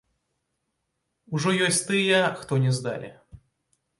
Ужо ёсць тыя, хто не здалі!